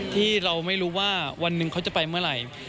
ที่เราไม่รู้ว่าวันหนึ่งเขาจะไปเมื่อไหร่